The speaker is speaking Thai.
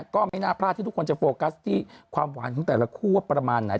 ก็ไม่น่าพลาดที่ทุกคนจะโฟกัสที่ความหวานของแต่ละคู่ว่าประมาณไหน